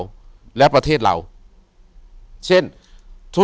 อยู่ที่แม่ศรีวิรัยิลครับ